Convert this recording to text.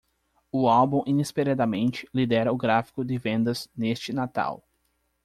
O álbum inesperadamente lidera o gráfico de vendas neste Natal.